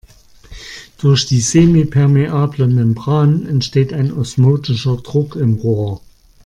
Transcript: Durch die semipermeable Membran entsteht ein osmotischer Druck im Rohr.